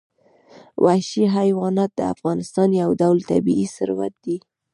وحشي حیوانات د افغانستان یو ډول طبعي ثروت دی.